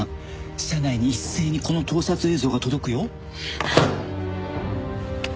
社内に一斉にこの盗撮映像が届くよ。